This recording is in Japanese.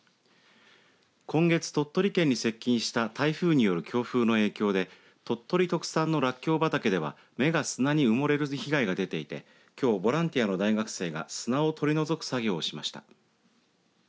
今月、鳥取県に接近した台風による強風の影響で鳥取特産のらっきょう畑では芽が砂に埋もれる被害で出ていてきょう、ボランティアの大学生が砂を取り除く作業をしました。